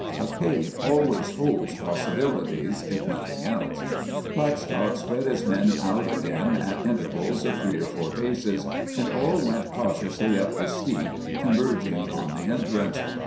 A cave always holds possibilities, if nothing else. Blackstock spread his men out again, at intervals of three or four paces, and all went cautiously up the steep, converging on the entrance.